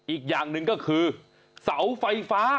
อีกอย่างหนึ่งก็คือเสาไฟฟ้า